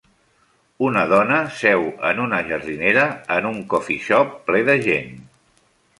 Una dona seu en una jardinera en un coffee shop ple de gent